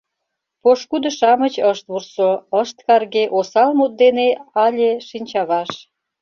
Пошкудо-шамыч ышт вурсо, ышт карге Осал мут дене але шинчаваш.